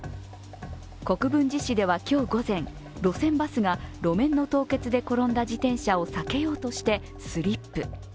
国分寺市では今日午前、路線バスが路面の凍結で転んで自転車を避けようとしてスリップ。